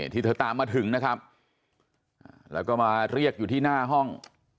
ที่เธอตามมาถึงนะครับแล้วก็มาเรียกอยู่ที่หน้าห้อง